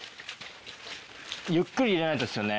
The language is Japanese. ゆっくり入れないとですよね。